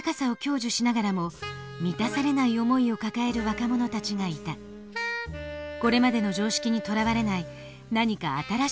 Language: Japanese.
これまでの常識にとらわれない何か新しい生き方があるはずだ。